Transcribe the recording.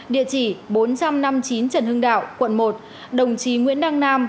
địa chỉ bốn trăm năm mươi chín trần hưng đạo quận một đồng chí nguyễn đăng nam